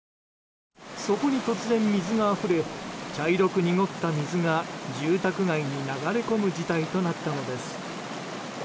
そこに突然、水があふれ茶色く濁った水が住宅街に流れ込む事態となったのです。